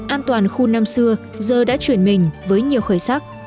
an toàn khu năm xưa giờ đã chuyển mình với nhiều khởi sắc